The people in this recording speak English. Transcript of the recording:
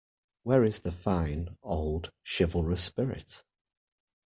Where is the fine, old, chivalrous spirit?